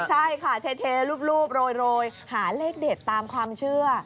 ใช่ค่ะเทรูปโรยหาเลขเด็ดตามความเชื่อ